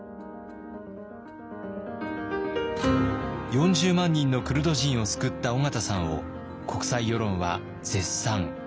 ４０万人のクルド人を救った緒方さんを国際世論は絶賛。